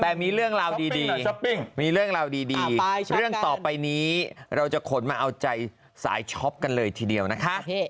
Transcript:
แต่มีเรื่องราวดีมีเรื่องราวดีเรื่องต่อไปนี้เราจะขนมาเอาใจสายช็อปกันเลยทีเดียวนะคะ